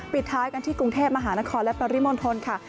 ปิดท้ายกันที่กรุงเทพมหานครและปริมณฑลค่ะ